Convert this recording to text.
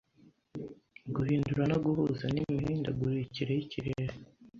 Guhindura no guhuza nimihindagurikire yikirere